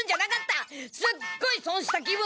すっごいそんした気分！